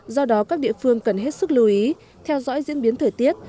do đó các địa phương cần hết sức lưu ý theo dõi diễn biến thời tiết